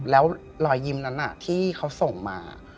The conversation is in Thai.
แล้วรอยยิ้มนั้นที่เขาส่งมา